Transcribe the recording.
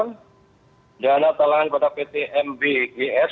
dana talangan pada pt mbgs